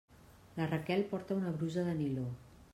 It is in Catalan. La Raquel porta una brusa de niló.